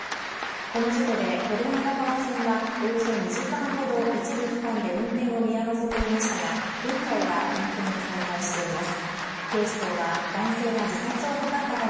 この事故で都電荒川線はおよそ２時間ほど一部区間で運転を見合わせていましたが現在は運転を再開しています。